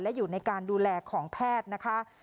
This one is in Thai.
และอยู่ในการดูแลของแพทย์นะคะ